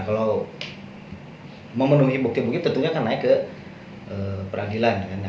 kalau memenuhi bukti bukti tentunya akan naik ke peradilan